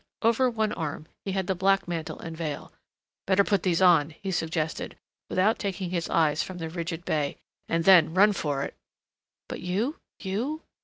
Over one arm he had the black mantle and veil, "Better put these on," he suggested, without taking his eyes from the rigid bey, "and then run for it." "But you you